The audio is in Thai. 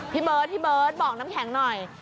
พี่เบิร์ดบอกน้ำแข็งหน่อย